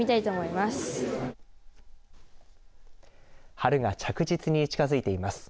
春が着実に近づいています。